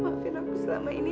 maafin aku selama ini